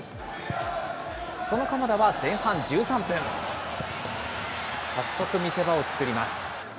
その鎌田は前半１３分、早速、見せ場を作ります。